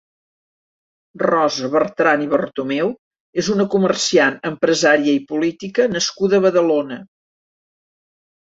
Rosa Bertran i Bartomeu és una comerciant, empresària i política nascuda a Badalona.